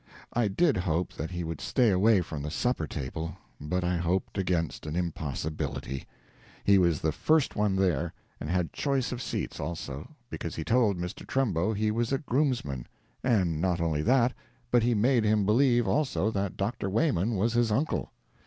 I did hope that he would stay away from the supper table, but I hoped against an impossibility. He was the first one there, and had choice of seats also, because he told Mr. Trumbo he was a groomsman; and not only that, but he made him believe, also, that Dr. Wayman was his uncle.